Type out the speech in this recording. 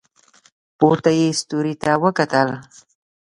پورته یې ستوري ته وکتل.